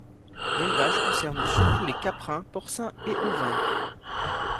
L'élevage concerne surtout les caprins, porcins et ovins.